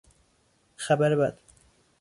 خبر بد